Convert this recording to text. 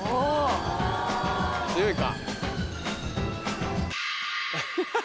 強いか？